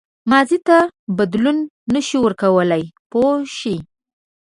ماضي ته بدلون نه شو ورکولای پوه شوې!.